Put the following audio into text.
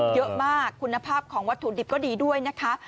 เยอะมากคุณภาพของวัตถุดิบก็ดีด้วยนะคะ